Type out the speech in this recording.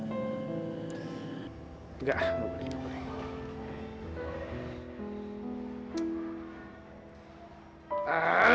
enggak gak boleh